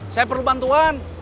saya perlu bantuan